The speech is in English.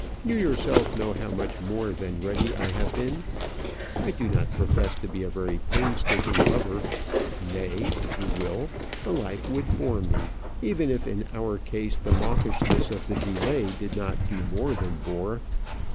You yourself know how much more than ready I have been. I do not profess to be a very painstaking lover; nay, if you will, the life would bore me, even if in our case the mawkishness of the delay did not do more than bore.